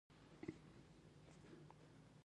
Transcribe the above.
مجسمه د یوه خالي کور په انګړ کې وه.